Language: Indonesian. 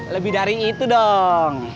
lebih dari itu dong